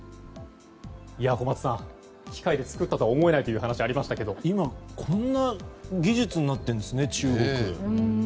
小松さん、機械で作ったとは思えないとありましたが今、こんな技術になっているんですね、中国。